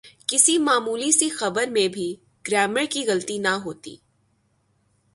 کسی معمولی سی خبر میں بھی گرائمر کی غلطی نہ ہوتی۔